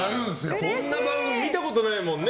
そんな番組見たことないもんね。